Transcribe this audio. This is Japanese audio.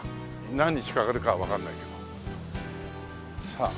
何日かかるかはわからないけど。